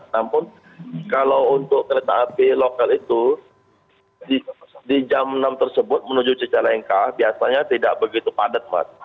namun kalau untuk kereta api lokal itu di jam enam tersebut menuju cicalengka biasanya tidak begitu padat pak